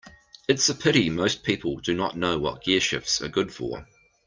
It's a pity most people do not know what gearshifts are good for.